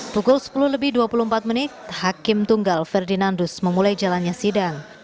pukul sepuluh lebih dua puluh empat menit hakim tunggal ferdinandus memulai jalannya sidang